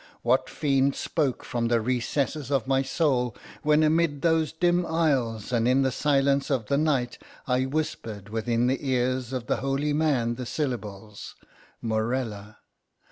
What fiend spoke from the recesses of my soul, when amid those dim aisles, and in the silence of the night, I whispered within the ears of the holy man the syllables—Morella?